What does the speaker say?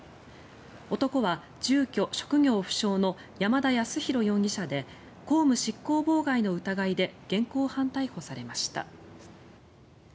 男は住居・職業不詳の山田康裕容疑者で公務執行妨害の疑いで現行犯逮捕されました。